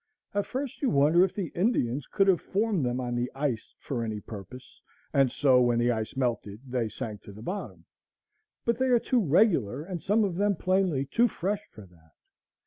At first you wonder if the Indians could have formed them on the ice for any purpose, and so, when the ice melted, they sank to the bottom; but they are too regular and some of them plainly too fresh for that.